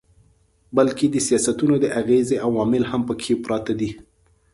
بلکي د سياستونو د اغېز عوامل هم پکښې پراته دي